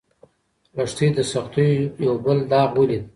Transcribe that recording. لښتې د سختیو یو بل داغ ولید.